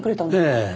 ええ。